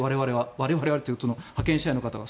我々というか派遣社員の方は。